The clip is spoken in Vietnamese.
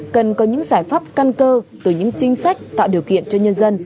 cần có những giải pháp căn cơ từ những chính sách tạo điều kiện cho nhân dân